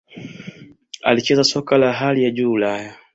alicheza soka la hali ya Juu Ulaya